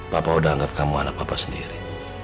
pak aku udah anggap kamu anak papa sendiri